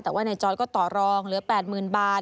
แต่ว่านายจอร์ดก็ต่อรองเหลือ๘๐๐๐บาท